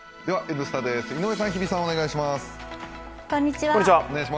「Ｎスタ」です井上さん、日比さん、お願いします。